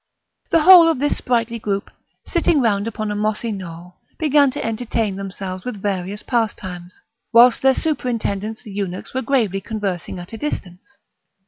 The whole of this sprightly group, sitting round upon a mossy knoll, began to entertain themselves with various pastimes, whilst their superintendents the eunuchs were gravely conversing at a distance.